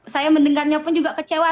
saya mendengarnya pun juga kecewa